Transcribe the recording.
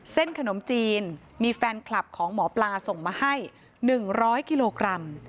ขนมจีนมีแฟนคลับของหมอปลาส่งมาให้๑๐๐กิโลกรัม